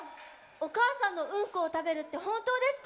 お母さんのうんこを食べるって本当ですか？